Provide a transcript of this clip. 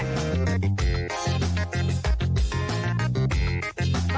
มาดูกันครับ